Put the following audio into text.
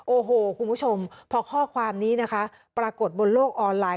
โอ้โหคุณผู้ชมพอข้อความนี้นะคะปรากฏบนโลกออนไลน์